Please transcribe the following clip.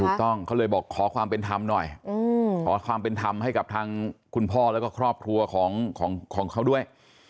ถูกต้องเขาเลยบอกขอความเป็นธรรมหน่อยขอความเป็นธรรมให้กับทางคุณพ่อแล้วก็ครอบครัวของเขาด้วย